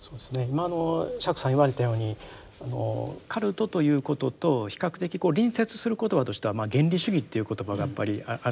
今の釈さん言われたようにカルトということと比較的隣接する言葉としては原理主義という言葉がやっぱりあると思うんですよね。